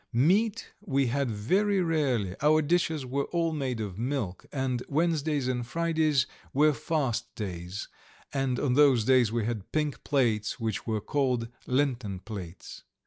Meat we had very rarely: our dishes were all made of milk, and Wednesdays and Fridays were fast days, and on those days we had pink plates which were called Lenten plates.